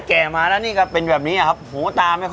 แก่แล้วนี่ก็เป็นแบบนี้นะครับ